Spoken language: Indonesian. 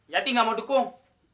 yati gak mau dukung